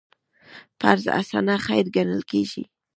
قرض حسنه خیر ګڼل کېږي.